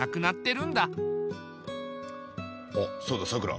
あっそうださくら。